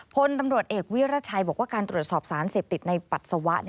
พลตำรวจเอกวิรัชัยบอกว่าการตรวจสอบสารเสพติดในปัสสาวะ